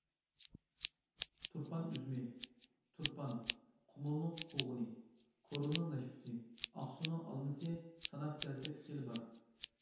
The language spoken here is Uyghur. تۇرپان ئۈزۈمى، تۇرپان، قۇمۇلنىڭ قوغۇنى، كورلىنىڭ نەشپۈتى، ئاقسۇنىڭ ئالمىسى.... ساناپ كەلسەك خېلى بار.